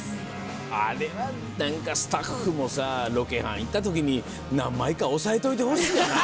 あれは何かスタッフもさロケハン行った時に何枚か押さえておいてほしいよな。